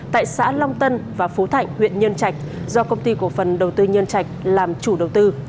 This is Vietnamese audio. tại xã long tân và phú thạnh huyện nhân trạch do công ty cổ phần đầu tư nhân trạch làm chủ đầu tư